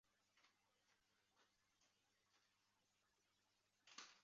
此站是第一批以扶手电梯而非升降机设计的伦敦地铁车站。